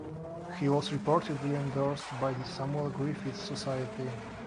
He was reportedly endorsed by the Samuel Griffith Society.